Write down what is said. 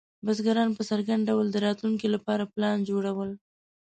بزګران په څرګند ډول د راتلونکي لپاره پلان جوړول.